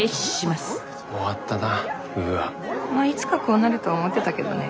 まあいつかこうなるとは思ってたけどね。